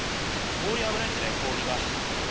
氷危ないですね、氷が。